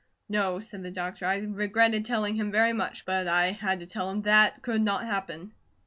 "No," said the doctor. "I regretted telling him very much; but I had to tell him THAT could not happen."